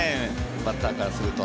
バッターからすると。